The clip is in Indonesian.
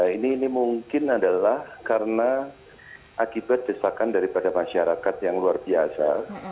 ini mungkin adalah karena akibat desakan daripada masyarakat yang luar biasa